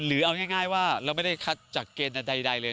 เอาง่ายว่าเราไม่ได้คัดจากเกณฑ์ใดเลย